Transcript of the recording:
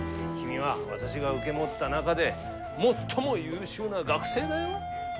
君は私が受け持った中で最も優秀な学生だよ。